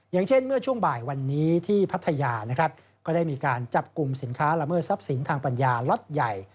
อย่างเช่นเมื่อช่วงบ่ายวันนี้ที่พัทยานะครับก็ได้มีการจับกลุ่มสินค้าละเมิดทรัพย์สินทางปัญญาล็อตใหญ่